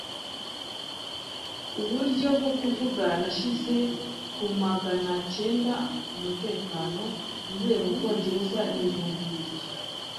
uburyo bwo kuvuga. Nashyize ku magana icyenda umutekano, mvuye mu Bwongereza, n'ibihumbi bibiri